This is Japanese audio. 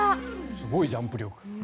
すごいジャンプ力。